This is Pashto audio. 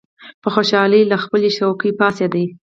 په خوشالۍ له خپلې څوکۍ پاڅېد.